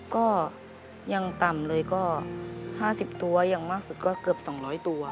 ก็ยังต่ำเลยก็๕๐ตัวอย่างมากสุดก็เกือบ๒๐๐ตัว